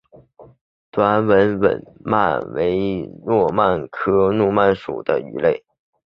短吻吻鳗为糯鳗科吻鳗属的鱼类。